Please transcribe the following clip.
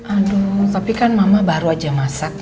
aduh tapi kan mama baru aja masak